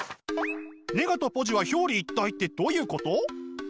ネガとポジは表裏一体ってどういうこと？